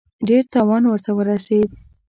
ډېر تاوان ورته ورسېد.